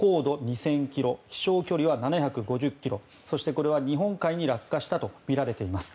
高度２０００ｋｍ飛翔距離は７５０ｋｍそして、日本海に落下したとみられています。